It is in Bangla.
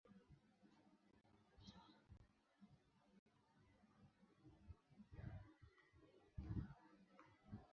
তিনি বিক্ষোভ চলাকালীন ঘটে যাওয়া "মহিলাদের বিরুদ্ধে আক্রমণাত্মক হামলা" নথিভুক্ত করেছিলেন যা প্রায়শই তাঁকে ব্যক্তিগত নিরাপত্তার ঝুঁকিতে ফেলেছিল।